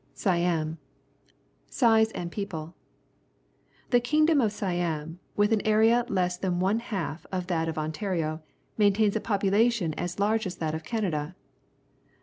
SI AM Size and People. — The kingdom of Siajn, with an area less than one half of that of Ontario, maintains a population as large as that of Canada.